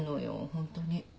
ホントに。